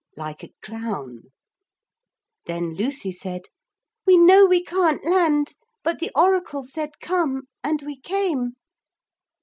like a clown. Then Lucy said, 'We know we can't land, but the oracle said come and we came.'